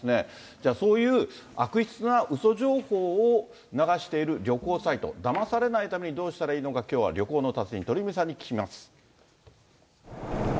じゃあ、そういう悪質なうそ情報を流している旅行サイト、だまされないためにどうしたらいいのか、きょうは旅行の達人、鳥海さんに聞きます。